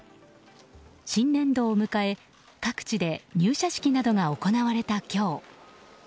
新年度を迎え各地で入社式などが行われた今日